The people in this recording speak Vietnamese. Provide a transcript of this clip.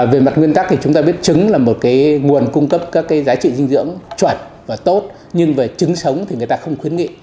về mặt nguyên tắc thì chúng ta biết trứng là một cái nguồn cung cấp các cái giá trị dinh dưỡng chuẩn và tốt nhưng về trứng sống thì người ta không khuyến nghị